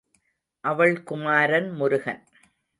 அவள் குமாரன் முருகன்.